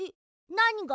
なにが？